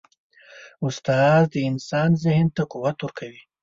استاد د انسان ذهن ته قوت ورکوي.